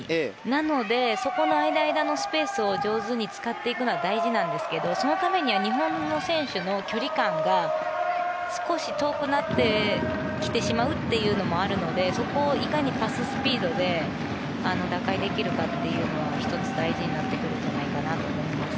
なので、そこの間、間のスペースを上手に使っていくことは大事なんですけどそのためには日本の選手の距離感が少し遠くなってきてしまうというのもあるのでそこを、いかにパススピードで打開できるかというのは１つ、大事になってくるんじゃないかなと思います。